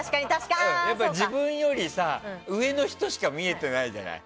自分より上の人しか見えてないじゃない。